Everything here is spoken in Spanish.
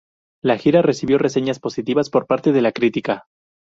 La gira recibió reseñas positivas por parte de la crítica.